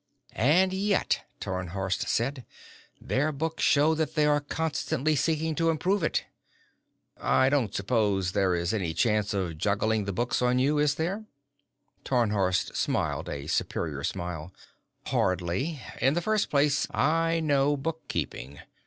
"And yet," Tarnhorst said, "their books show that they are constantly seeking to improve it." "I don't suppose there is any chance of juggling the books on you, is there?" Tarnhorst smiled a superior smile. "Hardly. In the first place, I know bookkeeping.